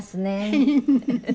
フフフフ！